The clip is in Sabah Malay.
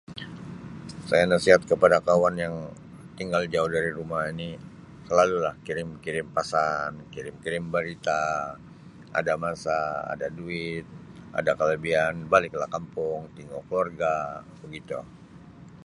Saya nasihat kepada kawan yang tinggal jauh dari rumah ini selalulah kirim-kirim pasan, kirim-kirim barita, ada masa ada duit ada kelebihan baliklah kampung tingu keluarga begitu.